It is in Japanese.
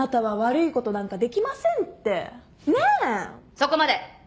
そこまで。